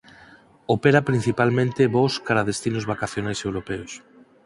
Opera principalmente voos cara destinos vacacionais europeos.